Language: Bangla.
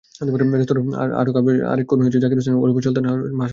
রেস্তোরাঁর আটক আরেক কর্মী জাকির হোসেন ওরফে শাওন পরে হাসপাতালে মারা যান।